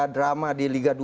drama di liga dua